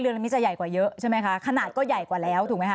เรือลำนี้จะใหญ่กว่าเยอะขนาดก็ใหญ่กว่าแล้วถูกไหมคะ